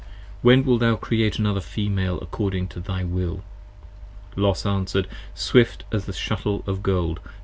114 Then thou wilt Create another Female according to thy Will. Los answer'd, swift as the shuttle of gold.